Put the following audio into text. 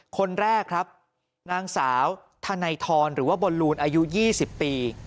คนแรกครับนางสาวธนัยทรหรือว่าบอลลูนอายุ๒๐ปี